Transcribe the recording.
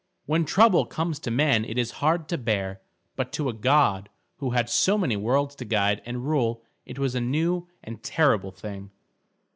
When trouble comes to men it is hard to bear, but to a god who had so many worlds to guide and rule it was a new and terrible thing.